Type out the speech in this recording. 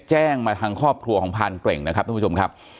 แจ้งมาทางครอบครัวของพานเกร็งนะครับท่านผู้ชมครับ